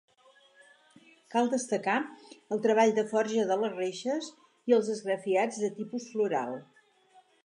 Cal destacar el treball de forja de les reixes i els esgrafiats de tipus floral.